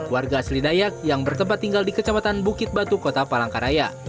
warga asli dayak yang bertempat tinggal di kecamatan bukit batu kota palangkaraya